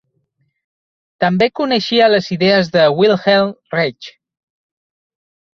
També coneixia les idees de Wilhelm Reich.